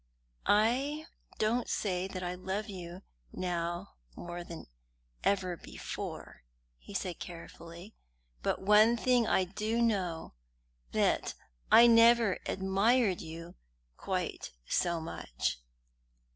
"I don't say that I love you more now than ever before," he said carefully, "but one thing I do know: that I never admired you quite so much."